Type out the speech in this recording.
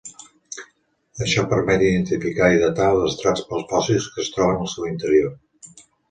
Això permet identificar i datar els estrats pels fòssils que es troben al seu interior.